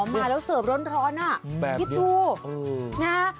มาแล้วเสิร์ฟร้อนอ่ะแบบเดียวคิดดูอืมนะฮะ